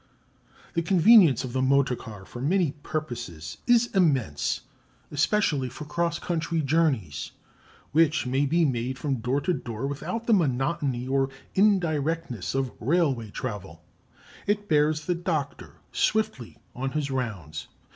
The convenience of the motor car for many purposes is immense, especially for cross country journeys, which may be made from door to door without the monotony or indirectness of railway travel. It bears the doctor swiftly on his rounds.